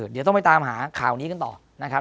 เดี๋ยวต้องไปตามหาข่าวนี้กันต่อนะครับ